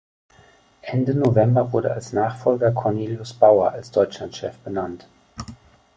Ende November wurde als Nachfolger Cornelius Baur als Deutschlandchef benannt.